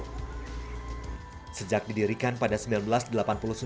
dan menjadi salah satu perusahaan yang berkembang di wilayah batu